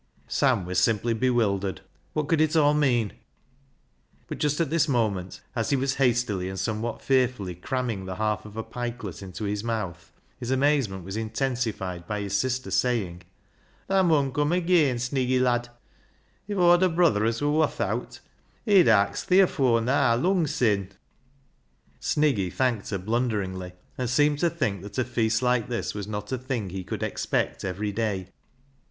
Sam was simply bewildered. What could it all mean ? But just at this moment, as he was hastily and somewhat fearfully cramming the half of a pikelet into his mouth, his amazement was intensified by his sister saying —" Thaa mun cum ageean, Sniggy lad. If xA.w'd SALLY'S REDEMPTION 121 a brother as wur woth owt, he'd a axed thi afoor naa, lung sin'." Sniggy thanked her blunderingly, and seemed to think that a feast like this was not a thing he could expect every day.